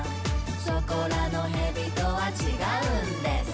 「そこらのへびとはちがうんです！」